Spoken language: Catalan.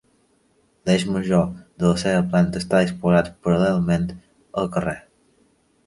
L'eix major de la seva planta està disposat paral·lelament al carrer.